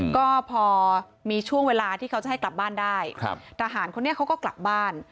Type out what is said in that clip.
ก็พอมีช่วงเวลาที่เขาจะให้กลับบ้านได้ทหารคนนี้เขาก็กลับบ้าน